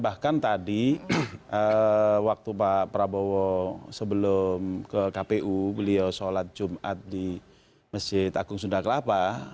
bahkan tadi waktu pak prabowo sebelum ke kpu beliau sholat jumat di masjid agung sunda kelapa